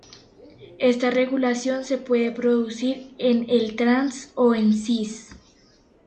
Esta regulación se puede producir en el trans o en cis.